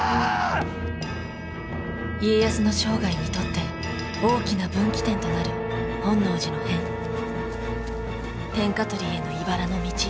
家康の生涯にとって大きな分岐点となる本能寺の変天下取りへのいばらの道